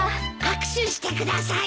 握手してください。